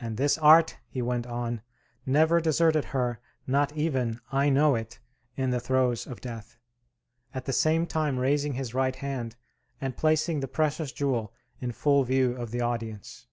"And this art," he went on, "never deserted her, not even, I know it, in the throes of death," at the same time raising his right hand and placing the precious jewel in full view of the audience.